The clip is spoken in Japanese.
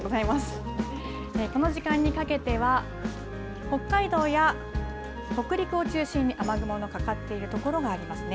この時間にかけては北海道や北陸を中心に雨雲がかかっているところがありますね。